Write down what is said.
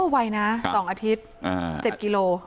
อ๋อไวนะ๒อาทิตย์๗กิโลกรัม